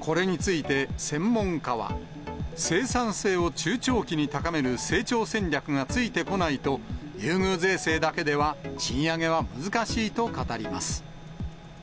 これについて、専門家は、生産性を中長期に高める成長戦略がついてこないと、優遇税制だけでは賃上げは難しいと語ります。